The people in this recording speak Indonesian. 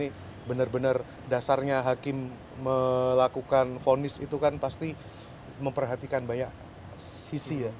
dan benar benar dasarnya hakim melakukan vonis itu kan pasti memperhatikan banyak sisi ya